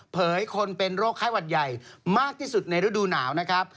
คนเป็นโรคไข้หวัดใหญ่มากที่สุดในฤดูหนาวนะครับ